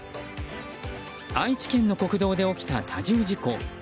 愛知県の国道で起きた多重事故。